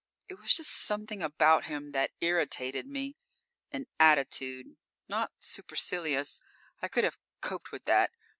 It was just something about him that irritated me. An attitude. Not supercilious; I could have coped with that.